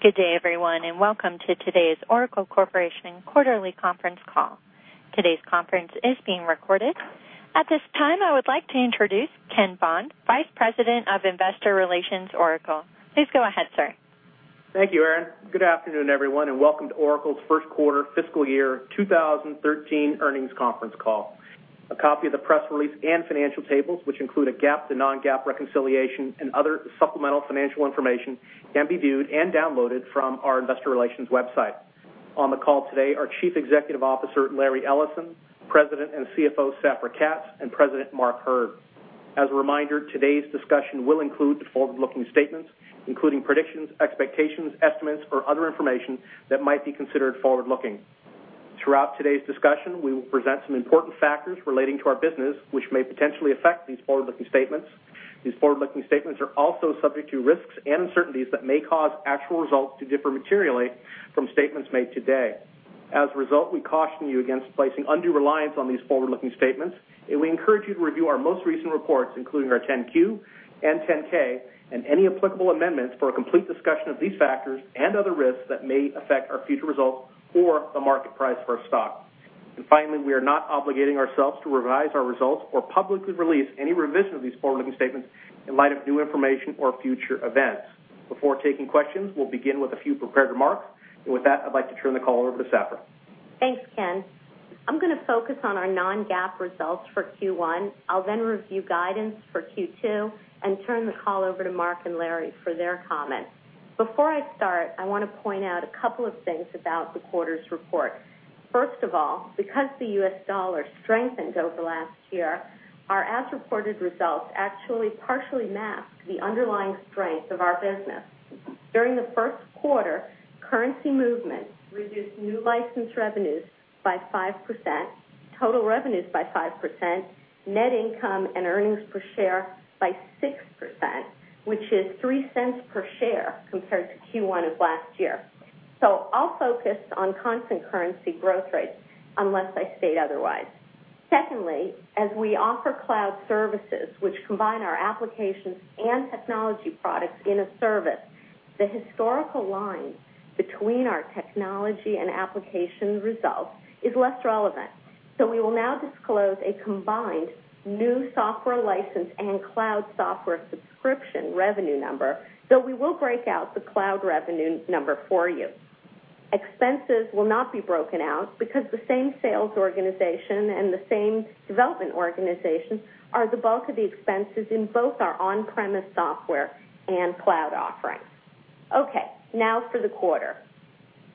Good day everyone, welcome to today's Oracle Corporation quarterly conference call. Today's conference is being recorded. At this time, I would like to introduce Ken Bond, Vice President of Investor Relations, Oracle. Please go ahead, sir. Thank you, Erin. Good afternoon, everyone, welcome to Oracle's first quarter fiscal year 2013 earnings conference call. A copy of the press release and financial tables, which include a GAAP to non-GAAP reconciliation and other supplemental financial information, can be viewed and downloaded from our investor relations website. On the call today are Chief Executive Officer, Larry Ellison, President and CFO, Safra Catz, and President Mark Hurd. As a reminder, today's discussion will include forward-looking statements, including predictions, expectations, estimates, or other information that might be considered forward-looking. Throughout today's discussion, we will present some important factors relating to our business, which may potentially affect these forward-looking statements. These forward-looking statements are also subject to risks and uncertainties that may cause actual results to differ materially from statements made today. As a result, we caution you against placing undue reliance on these forward-looking statements, and we encourage you to review our most recent reports, including our 10-Q and 10-K, and any applicable amendments for a complete discussion of these factors and other risks that may affect our future results or the market price for our stock. Finally, we are not obligating ourselves to revise our results or publicly release any revision of these forward-looking statements in light of new information or future events. Before taking questions, we'll begin with a few prepared remarks. With that, I'd like to turn the call over to Safra. Thanks, Ken. I'm gonna focus on our non-GAAP results for Q1. I'll then review guidance for Q2 and turn the call over to Mark and Larry for their comments. Before I start, I want to point out a couple of things about the quarter's report. First of all, because the US dollar strengthened over last year, our as-reported results actually partially masked the underlying strength of our business. During the first quarter, currency movements reduced new license revenues by 5%, total revenues by 5%, net income and earnings per share by 6%, which is $0.03 per share compared to Q1 of last year. I'll focus on constant currency growth rates unless I state otherwise. Secondly, as we offer cloud services, which combine our applications and technology products in a service, the historical line between our technology and application results is less relevant. We will now disclose a combined new software license and cloud software subscription revenue number, though we will break out the cloud revenue number for you. Expenses will not be broken out because the same sales organization and the same development organization are the bulk of the expenses in both our on-premise software and cloud offerings. Now for the quarter.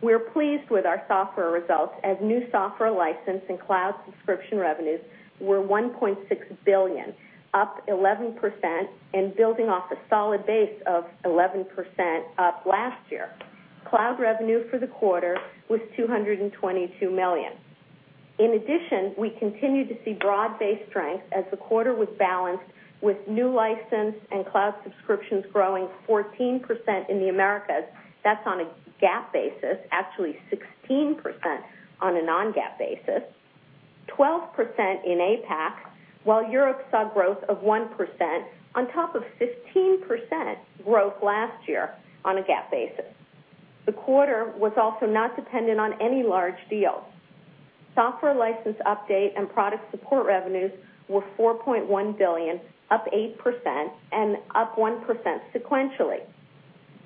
We are pleased with our software results, as new software license and cloud subscription revenues were $1.6 billion, up 11% and building off a solid base of 11% up last year. Cloud revenue for the quarter was $222 million. In addition, we continue to see broad-based strength as the quarter was balanced with new license and cloud subscriptions growing 14% in the Americas. That is on a GAAP basis, actually 16% on a non-GAAP basis, 12% in APAC, while Europe saw growth of 1% on top of 15% growth last year on a GAAP basis. The quarter was also not dependent on any large deals. Software license update and product support revenues were $4.1 billion, up 8% and up 1% sequentially.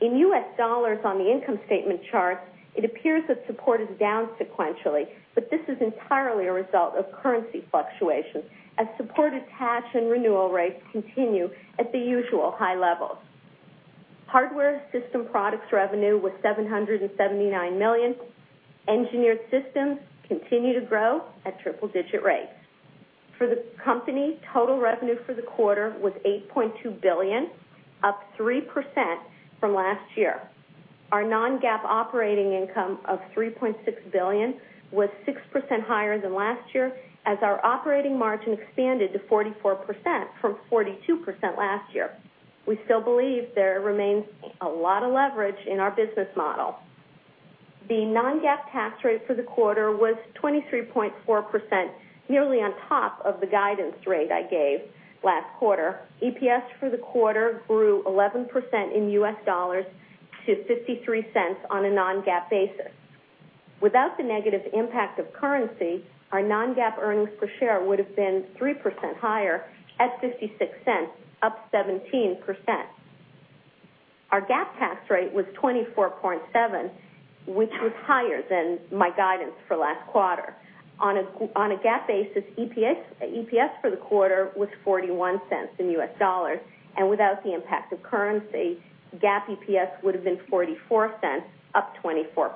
In U.S. dollars on the income statement chart, it appears that support is down sequentially, but this is entirely a result of currency fluctuation, as supported cash and renewal rates continue at the usual high levels. Hardware system products revenue was $779 million. Engineered systems continue to grow at triple-digit rates. For the company, total revenue for the quarter was $8.2 billion, up 3% from last year. Our non-GAAP operating income of $3.6 billion was 6% higher than last year, as our operating margin expanded to 44% from 42% last year. We still believe there remains a lot of leverage in our business model. The non-GAAP tax rate for the quarter was 23.4%, nearly on top of the guidance rate I gave last quarter. EPS for the quarter grew 11% in U.S. dollars to $0.53 on a non-GAAP basis. Without the negative impact of currency, our non-GAAP earnings per share would have been 3% higher at $0.56, up 17%. Our GAAP tax rate was 24.7%, which was higher than my guidance for last quarter. On a GAAP basis, EPS for the quarter was $0.41 in U.S. dollars, and without the impact of currency, GAAP EPS would have been $0.44, up 24%.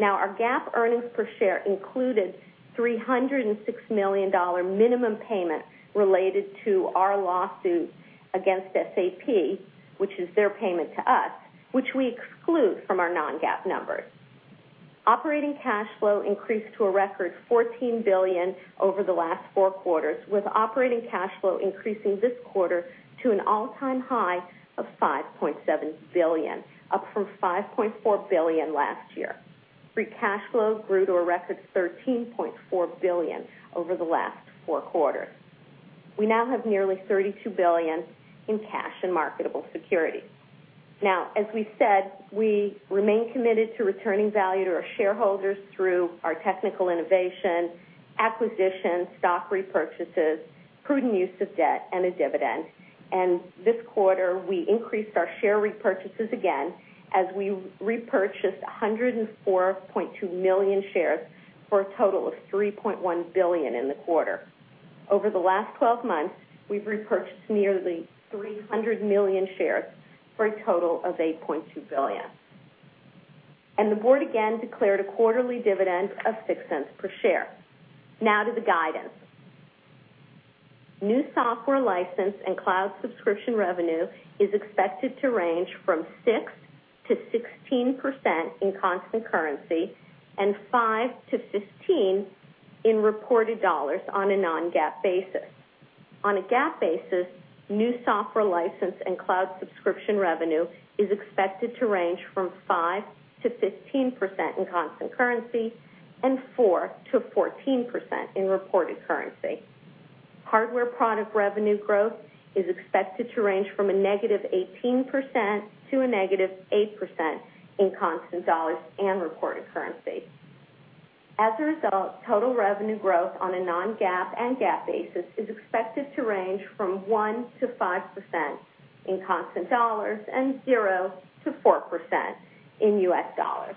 Our GAAP earnings per share included $306 million minimum payment related to our lawsuit against SAP, which is their payment to us, which we exclude from our non-GAAP numbers. Operating cash flow increased to a record $14 billion over the last four quarters, with operating cash flow increasing this quarter to an all-time high of $5.7 billion, up from $5.4 billion last year. Free cash flow grew to a record $13.4 billion over the last four quarters. We now have nearly $32 billion in cash and marketable securities. As we said, we remain committed to returning value to our shareholders through our technical innovation, acquisition, stock repurchases, prudent use of debt, and a dividend. This quarter, we increased our share repurchases again as we repurchased 104.2 million shares for a total of $3.1 billion in the quarter. Over the last 12 months, we have repurchased nearly 300 million shares for a total of $8.2 billion. The board again declared a quarterly dividend of $0.06 per share. To the guidance. New software license and cloud subscription revenue is expected to range from 6%-16% in constant currency and 5%-15% in reported USD on a non-GAAP basis. On a GAAP basis, new software license and cloud subscription revenue is expected to range from 5%-15% in constant currency and 4%-14% in reported currency. Hardware product revenue growth is expected to range from -18% to -8% in constant USD and reported USD. As a result, total revenue growth on a non-GAAP and GAAP basis is expected to range from 1%-5% in constant USD and 0%-4% in US dollars.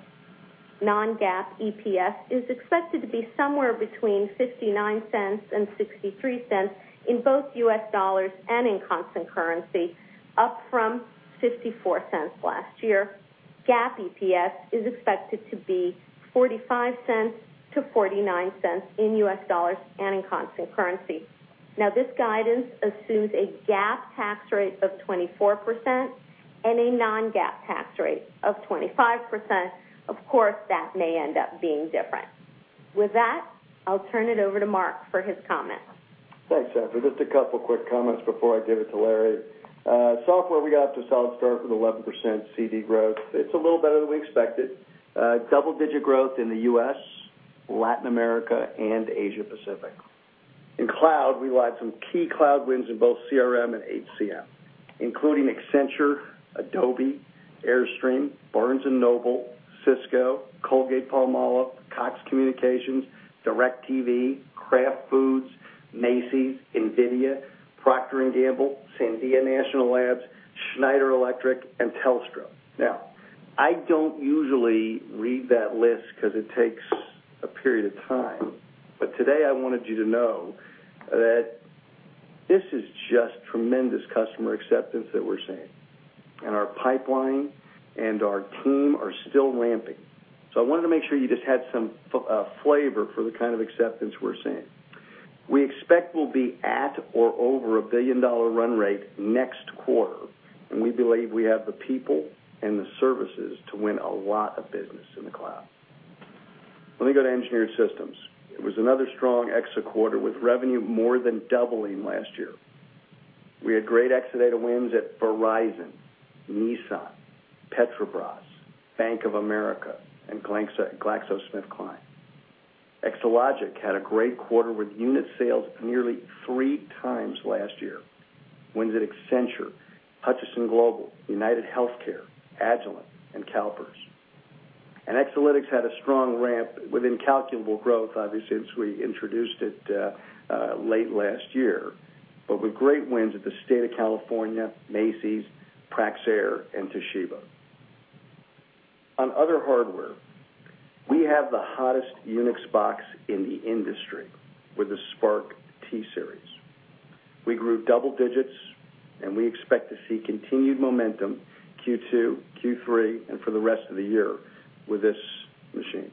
Non-GAAP EPS is expected to be somewhere between $0.59 and $0.63 in both US dollars and in constant currency, up from $0.54 last year. GAAP EPS is expected to be $0.45-$0.49 in US dollars and in constant currency. This guidance assumes a GAAP tax rate of 24% and a non-GAAP tax rate of 25%. Of course, that may end up being different. With that, I'll turn it over to Mark for his comments. Thanks, Safra. Just a couple quick comments before I give it to Larry. Software, we got off to a solid start with 11% CD growth. It's a little better than we expected. Double-digit growth in the U.S., Latin America, and Asia Pacific. In cloud, we've had some key cloud wins in both CRM and HCM, including Accenture, Adobe, Airstream, Barnes & Noble, Cisco, Colgate-Palmolive, Cox Communications, DirecTV, Kraft Foods, Macy's, NVIDIA, Procter & Gamble, Sandia National Labs, Schneider Electric, and Telstra. I don't usually read that list because it takes a period of time, today I wanted you to know that this is just tremendous customer acceptance that we're seeing, and our pipeline and our team are still ramping. I wanted to make sure you just had some flavor for the kind of acceptance we're seeing. We expect we'll be at or over a billion-dollar run rate next quarter, and we believe we have the people and the services to win a lot of business in the cloud. Let me go to Engineered Systems. It was another strong Exa quarter, with revenue more than doubling last year. We had great Exadata wins at Verizon, Nissan, Petrobras, Bank of America, and GlaxoSmithKline. Exalogic had a great quarter with unit sales nearly three times last year, wins at Accenture, Hutchison Global, UnitedHealthcare, Agilent, and CalPERS. Exalytics had a strong ramp with incalculable growth, obviously, since we introduced it late last year. With great wins at the state of California, Macy's, Praxair, and Toshiba. On other hardware, we have the hottest Unix box in the industry with the SPARC T-Series. We grew double digits, and we expect to see continued momentum Q2, Q3, and for the rest of the year with this machine.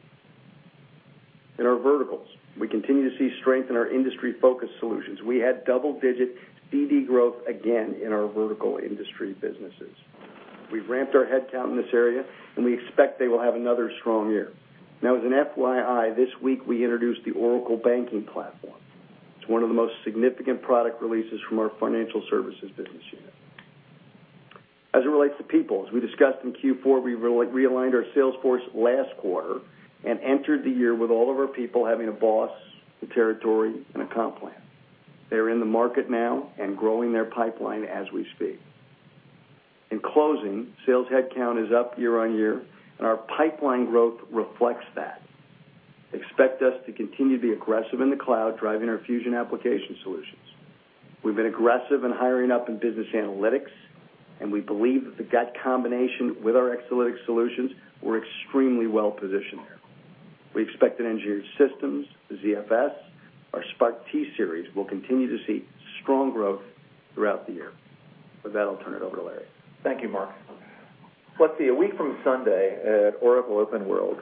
In our verticals, we continue to see strength in our industry-focused solutions. We had double-digit CD growth again in our vertical industry businesses. We've ramped our headcount in this area, and we expect they will have another strong year. Now, as an FYI, this week we introduced the Oracle Banking Platform. It's one of the most significant product releases from our financial services business unit. As it relates to people, as we discussed in Q4, we realigned our sales force last quarter and entered the year with all of our people having a boss, a territory, and a comp plan. They're in the market now and growing their pipeline as we speak. In closing, sales headcount is up year-on-year, and our pipeline growth reflects that. Expect us to continue to be aggressive in the cloud, driving our Fusion application solutions. We've been aggressive in hiring up in business analytics, and we believe that with that combination with our Exalytics solutions, we're extremely well-positioned there. We expect that Engineered Systems, ZFS, our SPARC T-Series will continue to see strong growth throughout the year. With that, I'll turn it over to Larry. Thank you, Mark. Let's see, a week from Sunday at Oracle OpenWorld,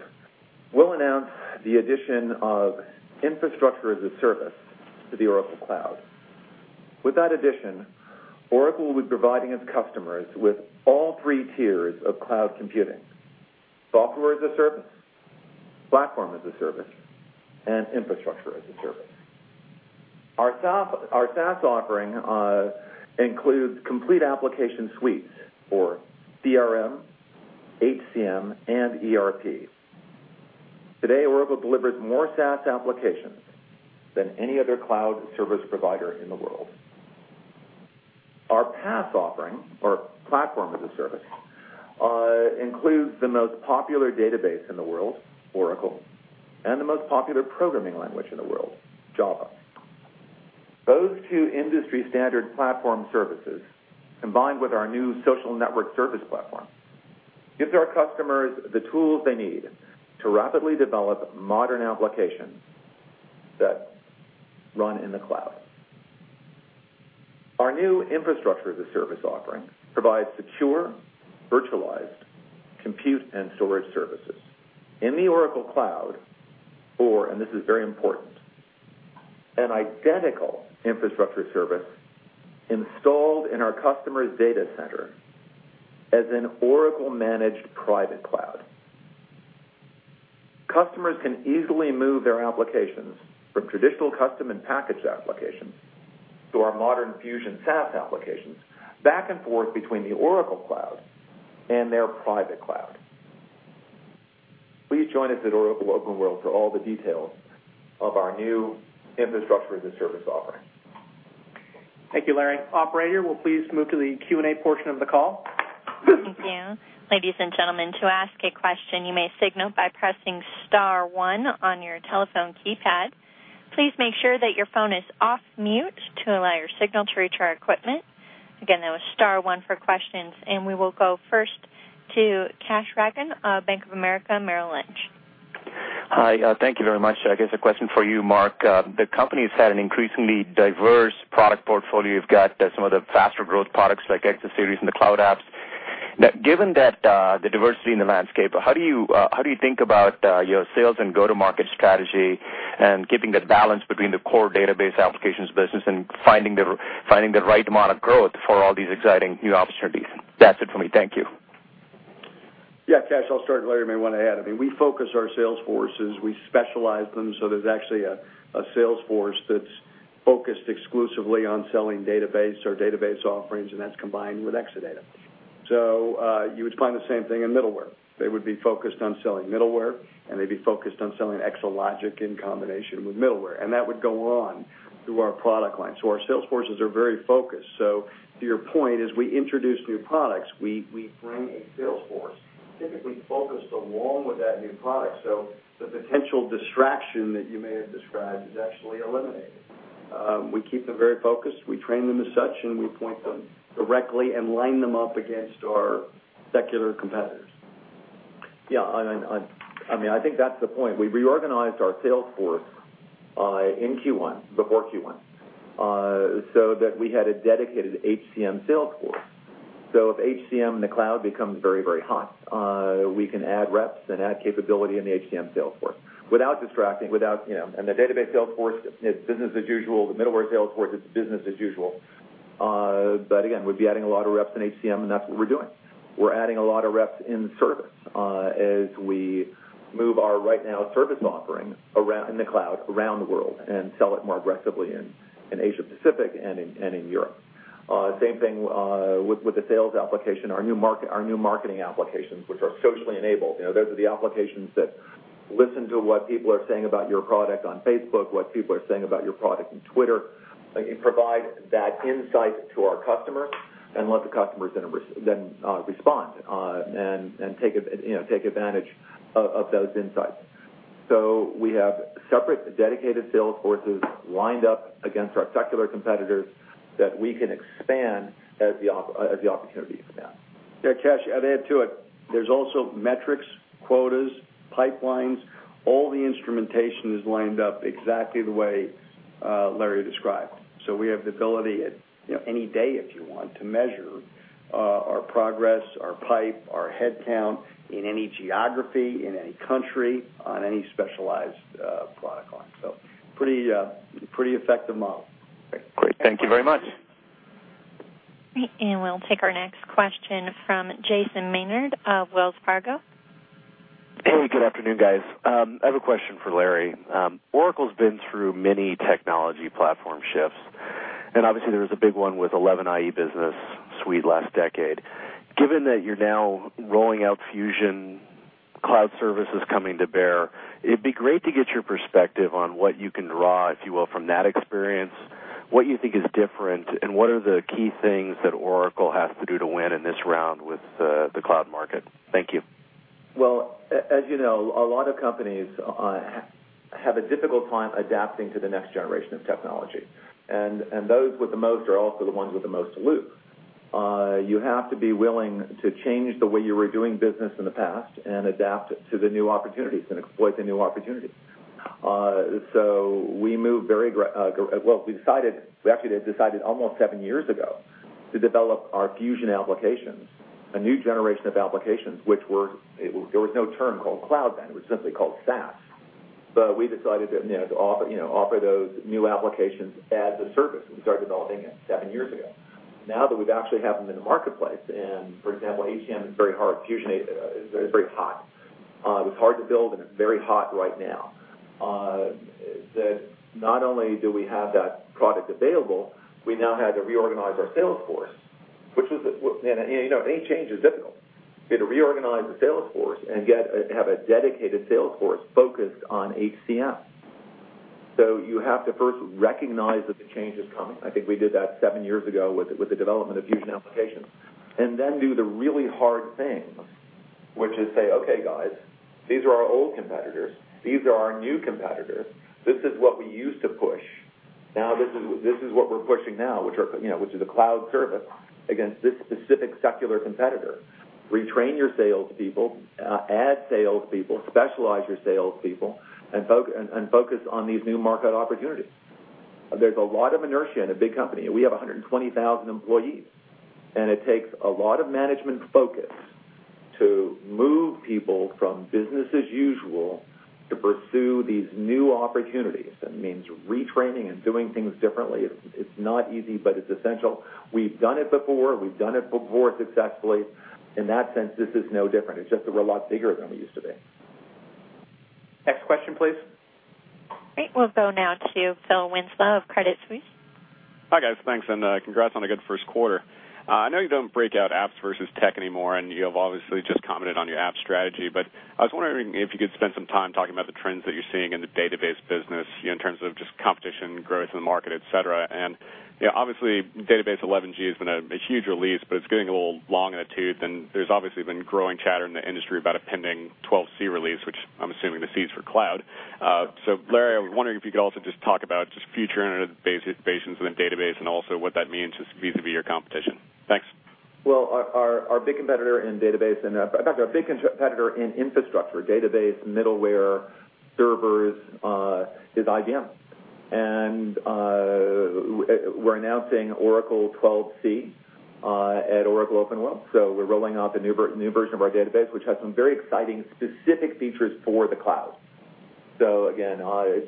we'll announce the addition of infrastructure as a service to the Oracle Cloud. With that addition, Oracle will be providing its customers with all three tiers of cloud computing: software as a service, platform as a service, and infrastructure as a service. Our SaaS offering includes complete application suites for CRM, HCM, and ERP Today, Oracle delivers more SaaS applications than any other cloud service provider in the world. Our PaaS offering, or platform as a service, includes the most popular database in the world, Oracle, and the most popular programming language in the world, Java. Those two industry-standard platform services, combined with our new social network service platform, gives our customers the tools they need to rapidly develop modern applications that run in the cloud. Our new infrastructure as a service offering provides secure, virtualized compute and storage services in the Oracle Cloud, or, and this is very important, an identical infrastructure service installed in our customer's data center as an Oracle-managed private cloud. Customers can easily move their applications from traditional custom and packaged applications to our modern Fusion SaaS applications back and forth between the Oracle Cloud and their private cloud. Please join us at Oracle OpenWorld for all the details of our new infrastructure as a service offering. Thank you, Larry. Operator, we'll please move to the Q&A portion of the call. Thank you. Ladies and gentlemen, to ask a question, you may signal by pressing *1 on your telephone keypad. Please make sure that your phone is off mute to allow your signal to reach our equipment. Again, that was *1 for questions, and we will go first to Kash Rangan, Bank of America Merrill Lynch. Hi. Thank you very much. I guess a question for you, Mark. The company has had an increasingly diverse product portfolio. You've got some of the faster growth products like Exa series and the cloud apps. Given the diversity in the landscape, how do you think about your sales and go-to-market strategy and keeping that balance between the core database applications business and finding the right amount of growth for all these exciting new opportunities? That's it for me. Thank you. Kash, I'll start. Larry may want to add. We focus our sales forces, we specialize them, there's actually a sales force that's focused exclusively on selling database or database offerings, and that's combined with Exadata. You would find the same thing in middleware. They would be focused on selling middleware, and they'd be focused on selling Exalogic in combination with middleware, and that would go on through our product line. Our sales forces are very focused. To your point, as we introduce new products, we bring a sales force, typically focused along with that new product. The potential distraction that you may have described is actually eliminated. We keep them very focused. We train them as such, and we point them directly and line them up against our secular competitors. I think that's the point. We reorganized our sales force in Q1, before Q1, so that we had a dedicated HCM sales force. If HCM in the cloud becomes very hot, we can add reps and add capability in the HCM sales force without distracting. The database sales force, it's business as usual. The middleware sales force, it's business as usual. Again, we'd be adding a lot of reps in HCM, and that's what we're doing. We're adding a lot of reps in service as we move our RightNow service offering in the cloud around the world and sell it more aggressively in Asia-Pacific and in Europe. Same thing with the sales application, our new marketing applications, which are socially enabled. Those are the applications that listen to what people are saying about your product on Facebook, what people are saying about your product on Twitter, provide that insight to our customer and let the customers then respond and take advantage of those insights. We have separate, dedicated sales forces lined up against our secular competitors that we can expand as the opportunities allow. Kash, I'd add to it, there's also metrics, quotas, pipelines, all the instrumentation is lined up exactly the way Larry described. We have the ability at any day, if you want, to measure our progress, our pipe, our head count in any geography, in any country, on any specialized product line. Pretty effective model. Great. Thank you very much. Great. We'll take our next question from Jason Maynard of Wells Fargo. Hey, good afternoon, guys. I have a question for Larry. Oracle's been through many technology platform shifts, and obviously there was a big one with 11i business suite last decade. Given that you're now rolling out Fusion, cloud services coming to bear, it'd be great to get your perspective on what you can draw, if you will, from that experience, what you think is different, and what are the key things that Oracle has to do to win in this round with the cloud market? Thank you. Well, as you know, a lot of companies have a difficult time adapting to the next generation of technology. Those with the most are also the ones with the most to lose. You have to be willing to change the way you were doing business in the past and adapt to the new opportunities and exploit the new opportunities. We actually decided almost 7 years ago to develop our Fusion applications, a new generation of applications, which there was no term called cloud then. It was simply called SaaS. We decided to offer those new applications as a service. We started developing it 7 years ago. Now that we actually have them in the marketplace, for example, HCM is very hard. Fusion is very hot. It was hard to build, and it's very hot right now. Not only do we have that product available, we now had to reorganize our sales force. Which was, any change is difficult. You had to reorganize the sales force and have a dedicated sales force focused on HCM. You have to first recognize that the change is coming. I think we did that seven years ago with the development of Fusion applications. Then do the really hard things, which is say, "Okay, guys, these are our old competitors. These are our new competitors. This is what we used to push. Now, this is what we're pushing now, which is a cloud service against this specific secular competitor." Retrain your salespeople, add salespeople, specialize your salespeople, and focus on these new market opportunities. There's a lot of inertia in a big company. We have 120,000 employees. It takes a lot of management focus to move people from business as usual to pursue these new opportunities. That means retraining and doing things differently. It's not easy, but it's essential. We've done it before. We've done it before successfully. In that sense, this is no different. It's just that we're a lot bigger than we used to be. Next question, please. Great. We'll go now to Philip Winslow of Credit Suisse. Hi, guys. Thanks. Congrats on a good first quarter. I know you don't break out apps versus tech anymore. You have obviously just commented on your app strategy. I was wondering if you could spend some time talking about the trends that you're seeing in the database business in terms of just competition, growth in the market, et cetera. Obviously, Database 11g has been a huge release. It's getting a little long in the tooth. There's obviously been growing chatter in the industry about a pending 12c release, which I'm assuming the c is for cloud. Larry, I was wondering if you could also just talk about just future innovations in the database and also what that means just vis-à-vis your competition. Thanks. Our big competitor in database, in fact, our big competitor in infrastructure, database, middleware, servers, is IBM. We're announcing Oracle 12c at Oracle OpenWorld. We're rolling out the new version of our database, which has some very exciting specific features for the cloud. Again,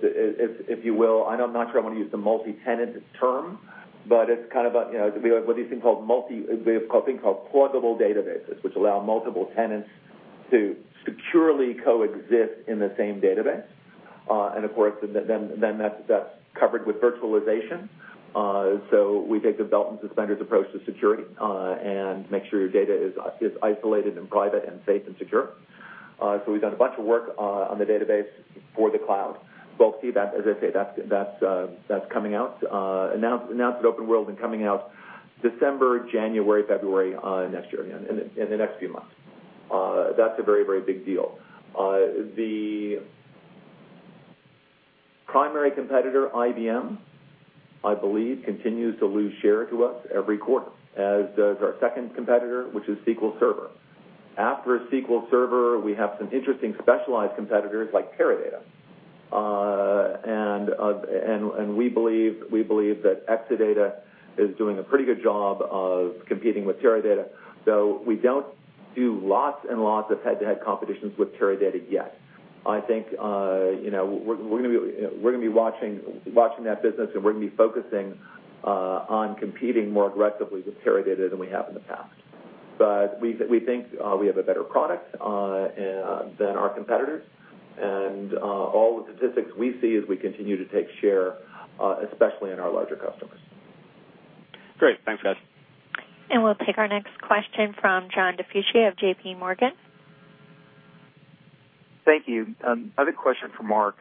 if you will, I'm not sure I want to use the multi-tenant term. It's what do you think called. We have a thing called pluggable databases, which allow multiple tenants to securely coexist in the same database. Of course, then that's covered with virtualization. We take the belt and suspenders approach to security and make sure your data is isolated and private and safe and secure. We've done a bunch of work on the database for the cloud. We'll see that, as I say, that's coming out. Announced at OpenWorld, coming out December, January, February next year. In the next few months. That's a very big deal. The primary competitor, IBM, I believe, continues to lose share to us every quarter, as does our second competitor, which is SQL Server. After SQL Server, we have some interesting specialized competitors like Teradata. We believe that Exadata is doing a pretty good job of competing with Teradata. We don't do lots and lots of head-to-head competitions with Teradata yet. I think we're going to be watching that business. We're going to be focusing on competing more aggressively with Teradata than we have in the past. We think we have a better product than our competitors. All the statistics we see is we continue to take share, especially in our larger customers. Great. Thanks, guys. We'll take our next question from John DiFucci of J.P. Morgan. Thank you. I have a question for Mark.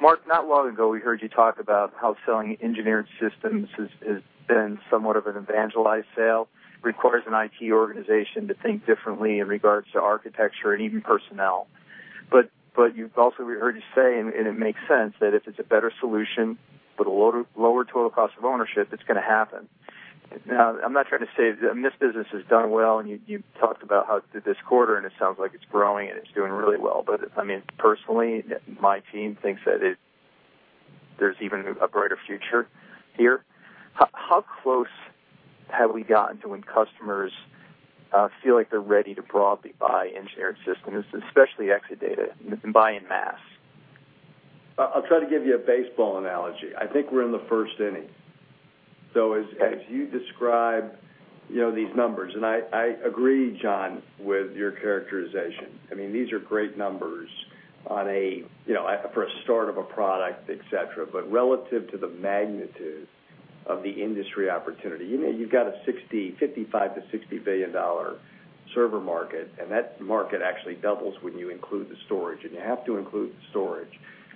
Mark, not long ago, we heard you talk about how selling engineered systems has been somewhat of an evangelized sale. Requires an IT organization to think differently in regards to architecture and even personnel. We also heard you say, and it makes sense, that if it's a better solution with a lower total cost of ownership, it's going to happen. I'm not trying to say, this business has done well, and you talked about this quarter, and it sounds like it's growing, and it's doing really well. I mean, personally, my team thinks that there's even a brighter future here. How close have we gotten to when customers feel like they're ready to broadly buy engineered systems, especially Exadata, and buy in mass? I'll try to give you a baseball analogy. I think we're in the first inning. As you describe these numbers, and I agree, John, with your characterization. I mean, these are great numbers for a start of a product, et cetera. Relative to the magnitude of the industry opportunity, you've got a $55 billion-$60 billion server market, and that market actually doubles when you include the storage. You have to include the storage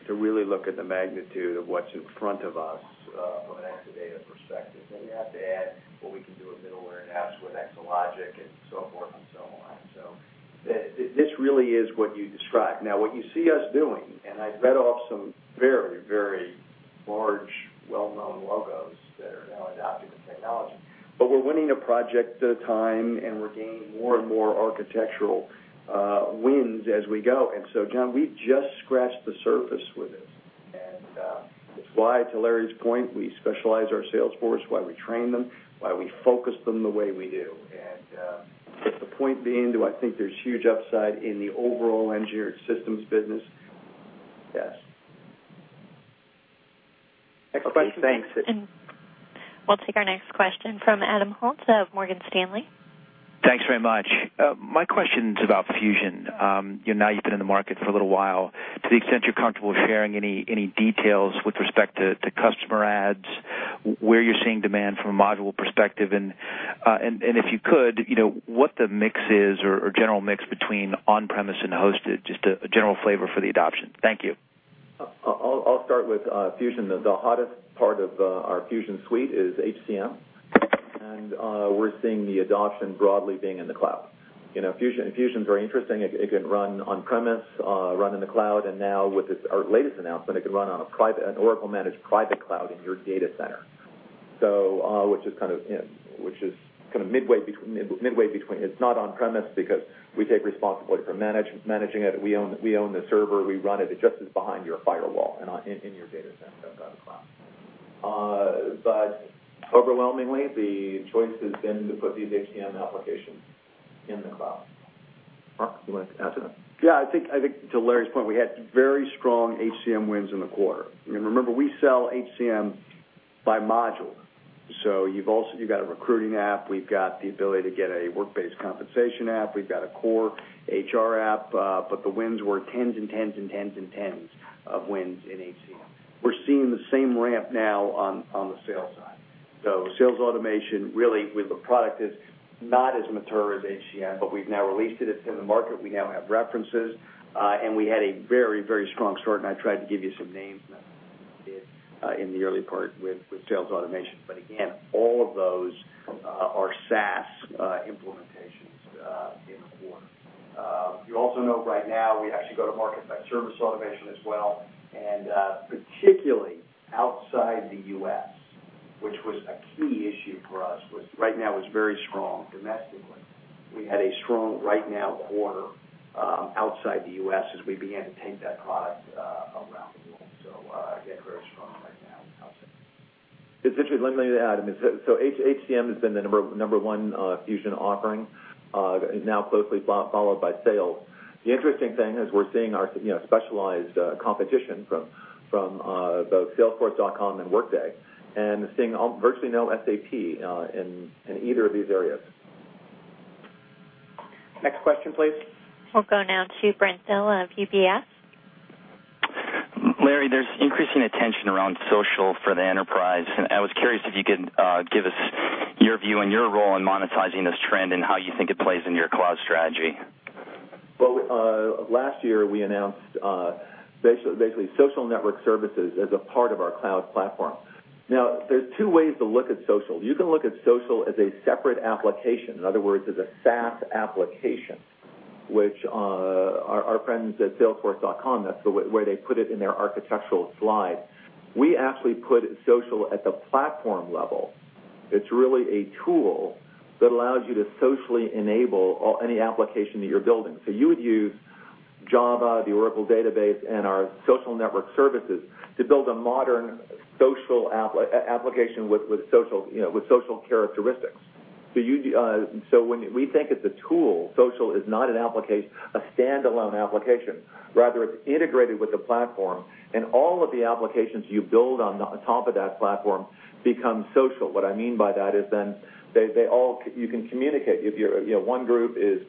to really look at the magnitude of what's in front of us from an Exadata perspective. You have to add what we can do with middleware and apps with Exalogic and so forth and so on. This really is what you describe. What you see us doing, I read off some very, very large well-known logos that are now adopting the technology, we're winning a project at a time, and we're gaining more and more architectural wins as we go. John, we've just scratched the surface with this. It's why, to Larry's point, we specialize our sales force, why we train them, why we focus them the way we do. The point being, do I think there's huge upside in the overall engineered systems business? Yes. Okay, thanks. We'll take our next question from Adam Holt of Morgan Stanley. Thanks very much. My question's about Fusion. You've been in the market for a little while. To the extent you're comfortable sharing any details with respect to customer adds, where you're seeing demand from a module perspective and, if you could, what the mix is or general mix between on-premise and hosted, just a general flavor for the adoption. Thank you. I'll start with Fusion. The hottest part of our Fusion suite is HCM, and we're seeing the adoption broadly being in the cloud. Fusion's very interesting. It can run on-premise, run in the cloud, and now with our latest announcement, it can run on an Oracle-managed private cloud in your data center, which is kind of midway between. It's not on-premise because we take responsibility for managing it. We own the server, we run it. It just is behind your firewall and in your data center, not the cloud. Overwhelmingly, the choice has been to put these HCM applications in the cloud. Mark, you want to add to that? Yeah, I think to Larry's point, we had very strong HCM wins in the quarter. Remember, we sell HCM by module. You've got a recruiting app, we've got the ability to get a Workday compensation app. We've got a core HR app, the wins were tens and tens and tens and tens of wins in HCM. We're seeing the same ramp now on the sales side. Sales automation, really, the product is not as mature as HCM, but we've now released it. It's in the market. We now have references. We had a very strong start, and I tried to give you some names in the early part with sales automation. Again, all of those are SaaS implementations in the quarter. You also know RightNow we actually go to market by service automation as well, and particularly outside the U.S., which was a key issue for us. RightNow it's very strong domestically. We had a strong RightNow quarter outside the U.S. as we began to take that product around the world. Again, very strong RightNow outside. Let me add. HCM has been the number one Fusion offering, now closely followed by sales. The interesting thing is we're seeing our specialized competition from both Salesforce.com and Workday, and seeing virtually no SAP in either of these areas. Next question, please. We'll go now to Brent Thill of UBS. Larry, there's increasing attention around social for the enterprise. I was curious if you could give us your view and your role in monetizing this trend and how you think it plays into your cloud strategy. Well, last year we announced basically social network services as a part of our cloud platform. There's two ways to look at social. You can look at social as a separate application, in other words, as a SaaS application, which our friends at Salesforce.com, that's where they put it in their architectural slide. We actually put social at the platform level. It's really a tool that allows you to socially enable any application that you're building. You would use Java, the Oracle Database, and our social network services to build a modern social application with social characteristics. We think it's a tool. Social is not a standalone application. Rather, it's integrated with the platform, and all of the applications you build on top of that platform become social. What I mean by that is you can communicate. One group is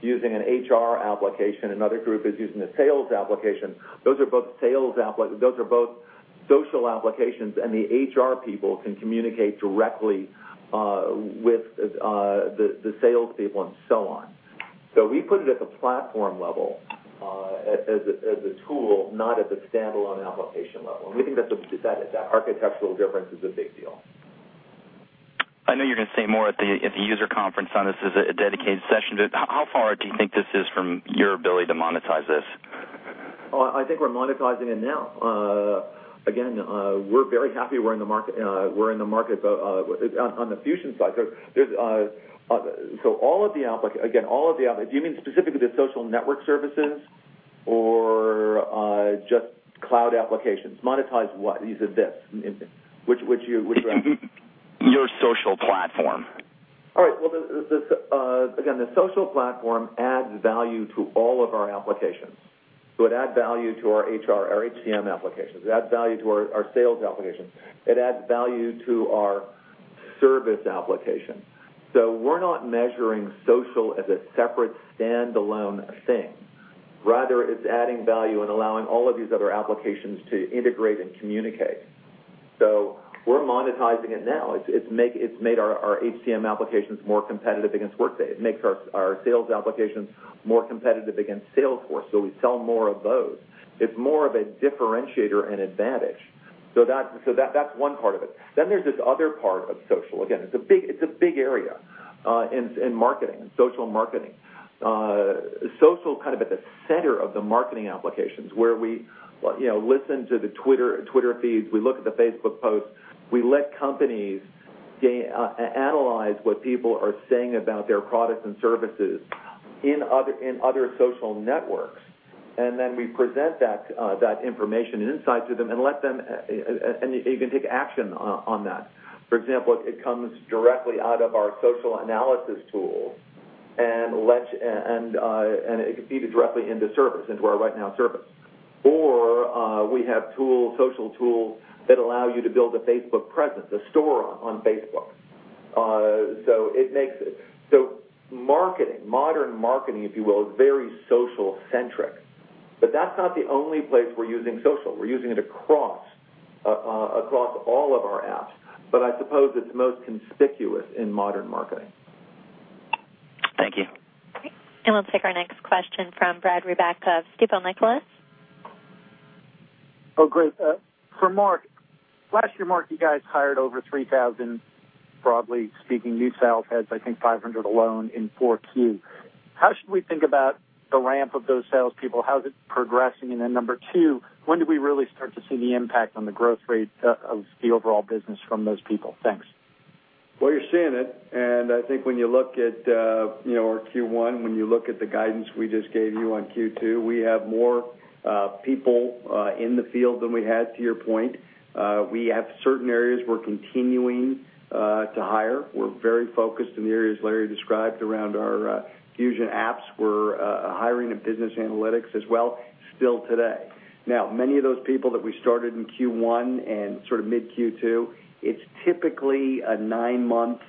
using an HR application, another group is using a sales application. Those are both social applications, the HR people can communicate directly with the sales people and so on. We put it at the platform level as a tool, not at the standalone application level. We think that architectural difference is a big deal. I know you're going to say more at the user conference on this as a dedicated session, how far do you think this is from your ability to monetize this? I think we're monetizing it now. Again, we're very happy we're in the market on the Fusion side. Do you mean specifically the social network services or just cloud applications? Monetize what? You said "this." Which are you after? Your social platform. All right. Well, again, the social platform adds value to all of our applications. It'd add value to our HCM applications. It'd add value to our sales applications. It adds value to our service applications. We're not measuring social as a separate standalone thing. Rather, it's adding value and allowing all of these other applications to integrate and communicate. We're monetizing it now. It's made our HCM applications more competitive against Workday. It makes our sales applications more competitive against Salesforce.com, so we sell more of those. It's more of a differentiator and advantage. That's one part of it. There's this other part of social. Again, it's a big area in marketing, in social marketing. Social is at the center of the marketing applications, where we listen to the Twitter feeds, we look at the Facebook posts. We let companies analyze what people are saying about their products and services in other social networks, then we present that information and insight to them you can take action on that. For example, it comes directly out of our social analysis tool It could feed it directly into service, into our RightNow service. We have social tools that allow you to build a Facebook presence, a store on Facebook. Marketing, modern marketing, if you will, is very social-centric. That's not the only place we're using social. We're using it across all of our apps, I suppose it's most conspicuous in modern marketing. Thank you. Okay. We'll take our next question from Brad Reback of Stifel Nicolaus. Oh, great. For Mark. Last year, Mark, you guys hired over 3,000, broadly speaking, new sales heads, I think 500 alone in 4Q. How should we think about the ramp of those salespeople? How is it progressing? Number two, when do we really start to see the impact on the growth rate of the overall business from those people? Thanks. Well, you're seeing it. I think when you look at our Q1, when you look at the guidance we just gave you on Q2, we have more people in the field than we had, to your point. We have certain areas we're continuing to hire. We're very focused in the areas Larry described around our Fusion apps. We're hiring in business analytics as well, still today. Many of those people that we started in Q1 and mid-Q2, it's typically a nine-month,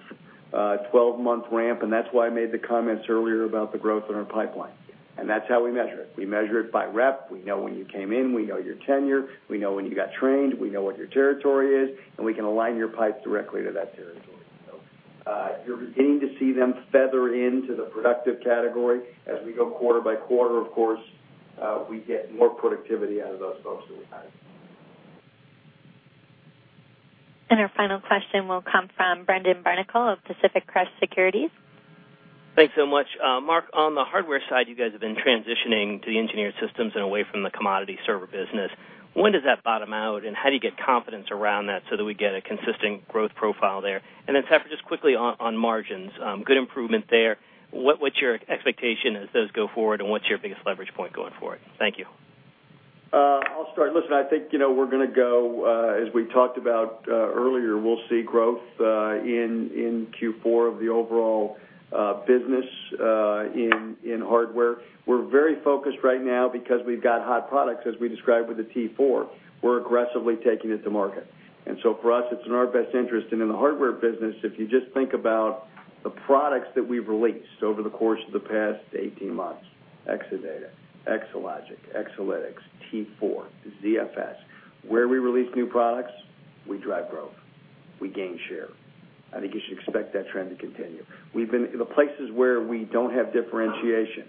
12-month ramp. That's why I made the comments earlier about the growth in our pipeline. That's how we measure it. We measure it by rep. We know when you came in. We know your tenure. We know when you got trained. We know what your territory is, and we can align your pipe directly to that territory. You're beginning to see them feather into the productive category. As we go quarter by quarter, of course, we get more productivity out of those folks that we hired. Our final question will come from Brendan Barnicle of Pacific Crest Securities. Thanks so much. Mark, on the hardware side, you guys have been transitioning to the engineered systems and away from the commodity server business. When does that bottom out, and how do you get confidence around that so that we get a consistent growth profile there? Safra, just quickly on margins, good improvement there. What's your expectation as those go forward, and what's your biggest leverage point going forward? Thank you. I'll start. I think we're going to go, as we talked about earlier, we'll see growth in Q4 of the overall business in hardware. We're very focused right now because we've got hot products, as we described with the T4. We're aggressively taking it to market. For us, it's in our best interest. In the hardware business, if you just think about the products that we've released over the course of the past 18 months, Exadata, Exalogic, Exalytics, T4, ZFS. Where we release new products, we drive growth, we gain share. I think you should expect that trend to continue. The places where we don't have differentiation,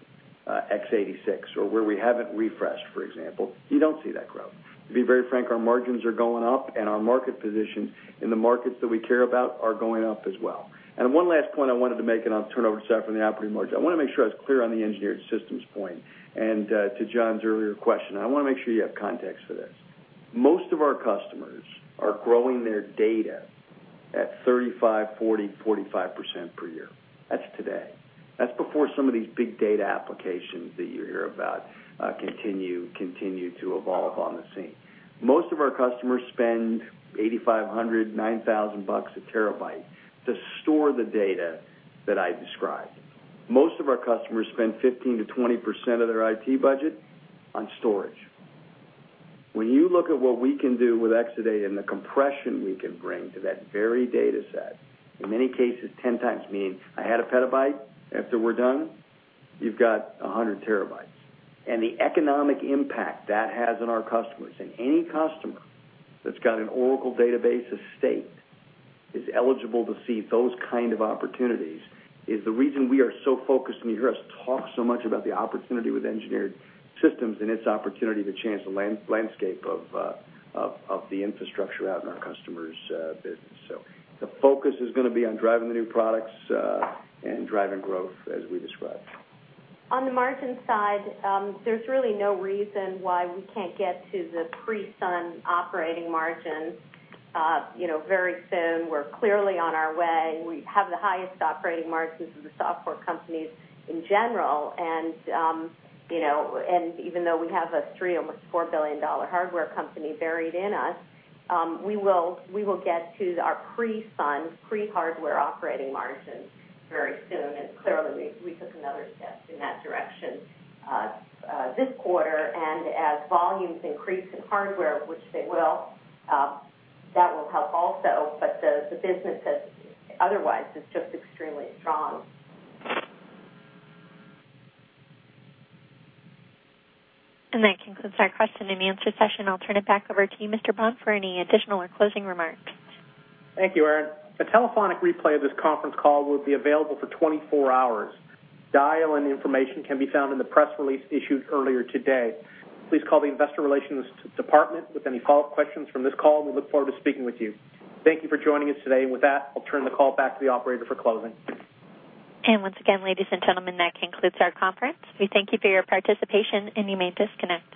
X86, or where we haven't refreshed, for example, you don't see that growth. To be very frank, our margins are going up and our market position in the markets that we care about are going up as well. One last point I wanted to make, I'll turn it over to Safra on the operating margin. I want to make sure I was clear on the engineered systems point and to John's earlier question. I want to make sure you have context for this. Most of our customers are growing their data at 35%, 40%, 45% per year. That's today. That's before some of these big data applications that you hear about continue to evolve on the scene. Most of our customers spend $8,500, $9,000 a terabyte to store the data that I described. Most of our customers spend 15%-20% of their IT budget on storage. When you look at what we can do with Exadata and the compression we can bring to that very data set, in many cases, 10 times means I had a petabyte. After we're done, you've got 100 terabytes. The economic impact that has on our customers, and any customer that's got an Oracle database estate is eligible to see those kind of opportunities, is the reason we are so focused, and you hear us talk so much about the opportunity with engineered systems and its opportunity to change the landscape of the infrastructure out in our customers' business. The focus is going to be on driving the new products and driving growth as we described. On the margin side, there's really no reason why we can't get to the pre-Sun operating margin very soon. We're clearly on our way. We have the highest operating margins of the software companies in general, even though we have a $3 or $4 billion hardware company buried in us, we will get to our pre-Sun, pre-hardware operating margin very soon, clearly, we took another step in that direction this quarter. As volumes increase in hardware, which they will, that will help also, but the business otherwise is just extremely strong. That concludes our question and answer session. I'll turn it back over to you, Mr. Bond, for any additional or closing remarks. Thank you, Erin. A telephonic replay of this conference call will be available for 24 hours. Dial-in information can be found in the press release issued earlier today. Please call the investor relations department with any follow-up questions from this call, and we look forward to speaking with you. Thank you for joining us today. With that, I'll turn the call back to the operator for closing. Once again, ladies and gentlemen, that concludes our conference. We thank you for your participation, and you may disconnect.